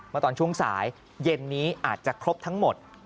เมื่อตอนช่วงสายเย็นนี้อาจจะครบทั้งหมด